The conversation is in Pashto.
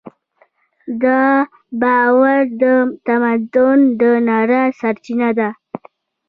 دا باور د تمدن د رڼا سرچینه ده.